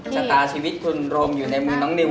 ชะตาชีวิตคุณรมอยู่ในมือน้องนิว